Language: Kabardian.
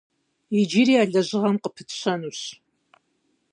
Иджыри а лэжьыгъэм къыпытщэнущ.